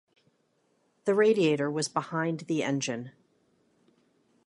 The radiator was behind the engine.